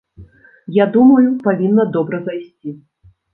Я думаю, павінна добра зайсці!